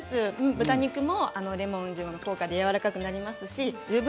豚肉もレモン塩の効果でやわらかくなりますし十分